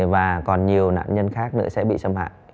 và còn nhiều nạn nhân khác nữa sẽ bị xâm hại